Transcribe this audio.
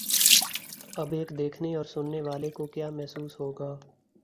اب ایک دیکھنے اور سننے والے کو کیا محسوس ہو گا؟